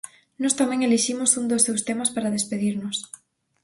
Nós tamén eliximos un dos seus temas para despedirnos.